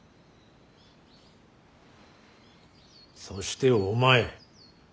そしてお前。